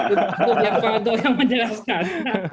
itu untuk yerfado yang menjelaskan